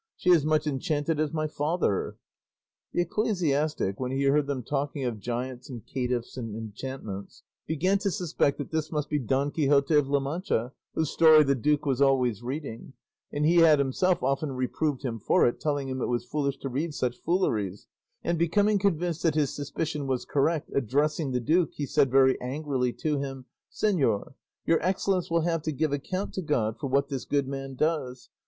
She is as much enchanted as my father." The ecclesiastic, when he heard them talking of giants and caitiffs and enchantments, began to suspect that this must be Don Quixote of La Mancha, whose story the duke was always reading; and he had himself often reproved him for it, telling him it was foolish to read such fooleries; and becoming convinced that his suspicion was correct, addressing the duke, he said very angrily to him, "Señor, your excellence will have to give account to God for what this good man does.